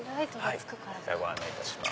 ご案内いたします。